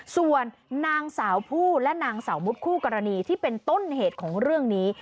ส่วนนางสาวผู้และนางสาวมุดคู่กรณีที่เป็นต้นเหตุของเรื่องนี้